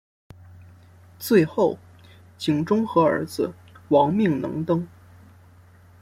最后景忠和儿子亡命能登。